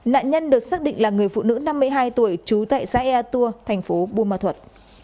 nạn nhân được xác định là người phụ nữ năm mươi hai tuổi trú tại xã ea tua thành phố buôn ma thuật